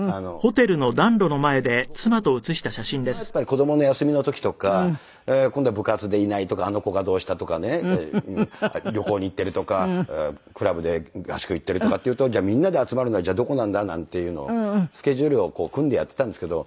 子供の休みの時とか部活でいないとかあの子がどうしたとかね旅行に行っているとかクラブで合宿行っているとかっていうとみんなで集まるのはじゃあどこなんだなんていうのをスケジュールを組んでやっていたんですけど。